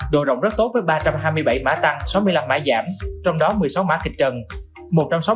độ rộng rất tốt với ba trăm hai mươi bảy mã tăng sáu mươi năm mã giảm trong đó một mươi sáu mã kịch trần